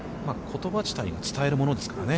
言葉自体は伝えるものですからね。